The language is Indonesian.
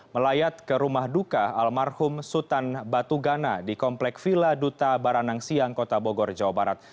melayat ke rumah duka almarhum sutan batugana di komplek vila duta baranang siang kota bogor jawa barat